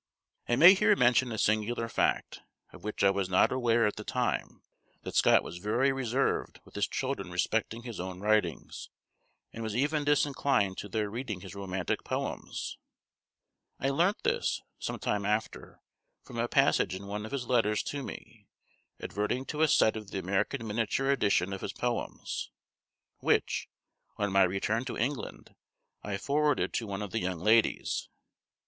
I may here mention a singular fact, of which I was not aware at the time, that Scott was very reserved with his children respecting his own writings, and was even disinclined to their reading his romantic poems. I learnt this, some time after, from a passage in one of his letters to me, adverting to a set of the American miniature edition of his poems, which, on my return to England, I forwarded to one of the young ladies.